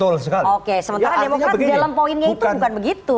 oke sementara demokrat dalam poinnya itu bukan begitu